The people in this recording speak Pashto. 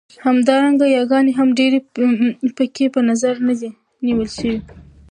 همدارنګه ياګانې هم ډېرې پکې په نظر کې نه دي نيول شوې.